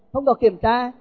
không có kiểm tra